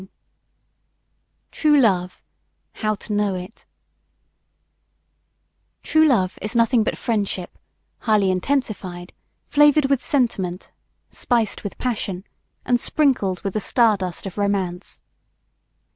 ] TRUE LOVE HOW TO KNOW IT TRUE LOVE is nothing but friendship, highly intensified, flavored with sentiment, spiced with passion, and sprinkled with the stardust of romance.